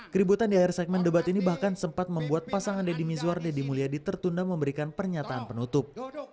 keributan di akhir segmen debat ini bahkan sempat membuat pasangan deddy mizwar deddy mulyadi tertunda memberikan pernyataan penutup